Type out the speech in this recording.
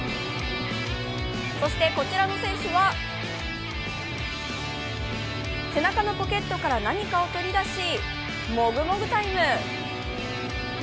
そしてこちらの選手は背中のポケットから何かを取り出しモグモグタイム。